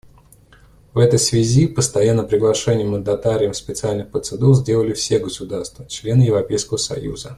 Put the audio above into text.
В этой связи постоянное приглашение мандатариям специальных процедур сделали все государства — члены Европейского союза.